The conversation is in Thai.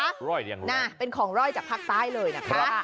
รอยอย่างไรเป็นของรอยจากภาคใต้เลยนะคะ